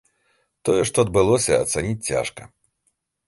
Тое, што адбылося, ацаніць цяжка.